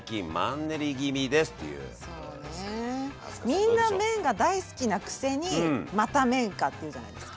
みんな麺が大好きなくせに「また麺か」って言うじゃないですか。